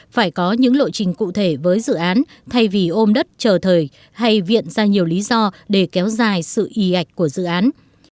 phải có những lộ trình cụ thể với dự án thay vì ôm đất chờ thời hay viện ra nhiều lý do để kéo dài sự y ạch của dự án